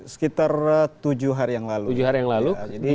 sekitar tujuh hari yang lalu